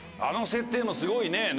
あの設定もすごいね。